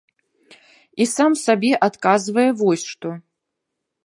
І сам сабе адказвае вось што.